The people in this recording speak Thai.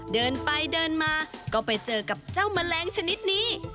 เดินไปเดินมาก็ไปเจอกับเจ้าแมลงชนิดนี้